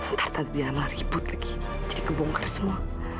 ntar tante diana ribut lagi jadi kebongkar semua